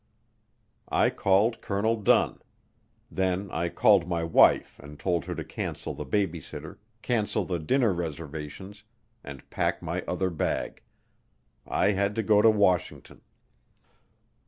I called Colonel Dunn; then I called my wife and told her to cancel the baby sitter, cancel the dinner reservations, and pack my other bag. I had to go to Washington.